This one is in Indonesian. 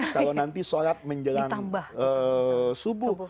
kalau nanti sholat menjelang subuh